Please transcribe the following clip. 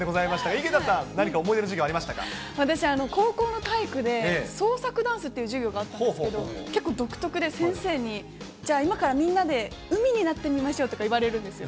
井桁さん、私、高校の体育で創作ダンスっていう授業があったんですけど、結構独特で、先生にじゃあ、今からみんなで海になってみましょうとか言われるんですよ。